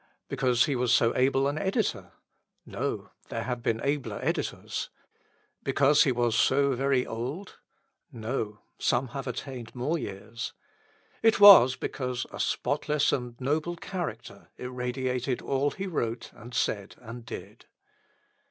Because he was so able an editor? No; there have been abler editors. Because he was so very old? No; some have attained more years. It was because a spotless and noble character irradiated all he wrote and said and did.